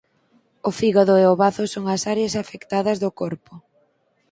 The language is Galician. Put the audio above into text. O fígado e o bazo son as áreas afectadas do corpo.